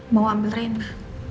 mau ambil rena